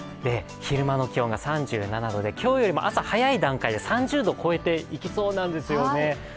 昼間の気温が３７度で、今日よりも朝早い段階で３０度を超えていきそうなんですよね。